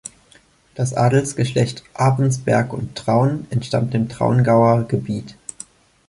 Das Adelsgeschlecht Abensperg und Traun entstammt dem Traungauer Gebiet.